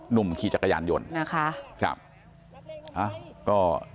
หนุ่มขี่จักรยานหยนต์